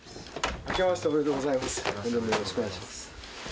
本年もよろしくお願いします。